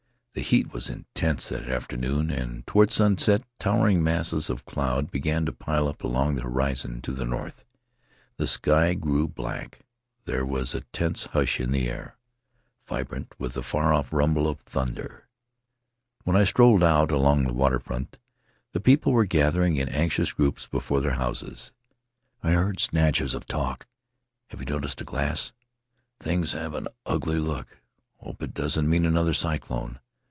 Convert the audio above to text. The heat was intense that afternoon, and toward sunset towering masses of cloud began to pile up along the horizon to the north. The sky grew black; there was it tense hush in the air, vibrant with the far off rumble of thunder. When I strolled out along the waterfront the people were gathering in anxious groups before their houses; I heard snatches of talk: "Have you noticed the glass? Things have an ugly look. ... Hope it doesn't mean another cyclone.